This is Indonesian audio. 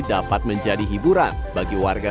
dapat menjadi hiburan bagi warga